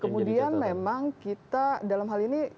kemudian memang kita dalam hal ini